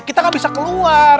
kita ga bisa keluar